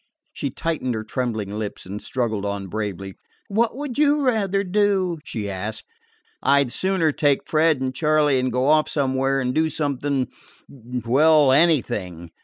She tightened her trembling lips and struggled on bravely. "What would you rather do?" she asked. "I 'd sooner take Fred and Charley and go off somewhere and do something well, anything."